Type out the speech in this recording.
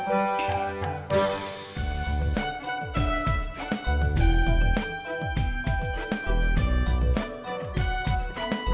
tiga appreciate yang berharga